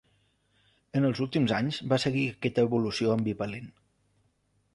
En els últims anys va seguir aquesta evolució ambivalent.